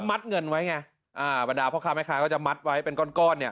แล้วมัดเงินไว้ไงบรรดาพระคาแม่คาก็จะมัดไว้เป็นก้อน